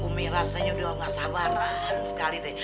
umi rasanya udah gak sabaran sekali deh